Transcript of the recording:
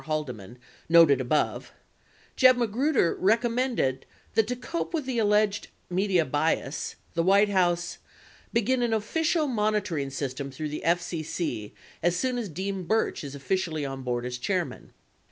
Haldeman noted above, Jeb Magruder recommended that to cope with alleged media bias, the White House :begin an official monitoring system through the FCC as soon as Dean Burch is officially on board as chairman.